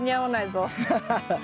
ハハハッ。